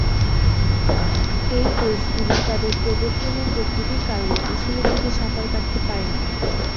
এই কোষগুলি তাদের প্রবর্তনের প্রকৃতির কারণে পিছনে দিকে সাঁতার কাটতে পারে না।